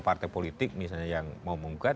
partai politik misalnya yang mau menggugat